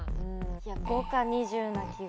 ５か２０な気が。